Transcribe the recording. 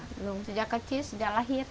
belum sejak kecil sejak lahir